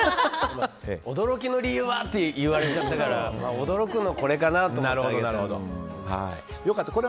驚きの理由はって言われちゃったから驚くのこれかなって思ったけど。